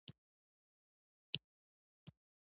ميرويس خان په خاورو کې کښلو ليکو ته وکتل.